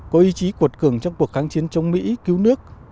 có ý chí cuột cường trong cuộc kháng chiến chống mỹ cứu nước